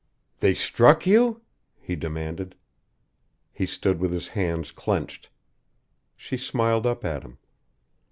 "They struck you?" he demanded. He stood with his hands clenched. She smiled up at him.